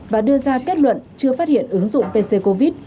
và đưa ra kết luận chưa phát hiện ứng dụng pc covid